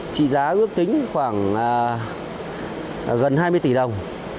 trị giá ước tính khoảng gần hai mươi tỷ đồng